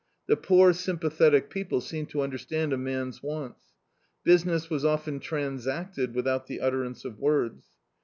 The poor, sympathetic people seemed to understand a man's wants. Business was often transacted without the utterance of words.